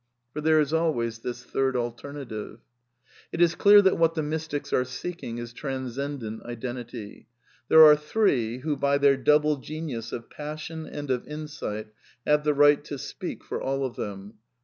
For there is always this third alternative. It is clear that what the mystics are seeking is trans cendent identity. There are three who, by their double genius of passion and of insight, have the right to speak for all of them.